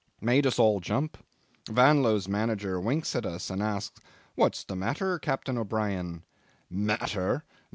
... Made us all jump. Vanlo's manager winks at us and asks, 'What's the matter, Captain O'Brien?' 'Matter!